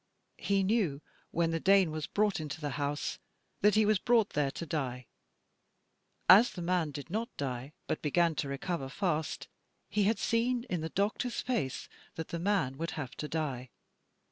He knew when the Dane was brought into the house that he was brought there to die. As the man did not die, but began to recover fast, he had seen in the doctor's face that the man would have to die.